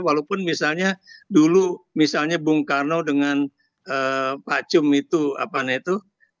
walaupun misalnya dulu misalnya bung karno dengan pak cum itu